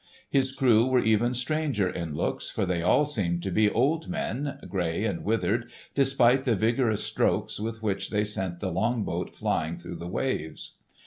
His crew were even stranger in looks, for they all seemed to be old men, grey and withered, despite the vigorous strokes with which they sent the longboat flying through the waves.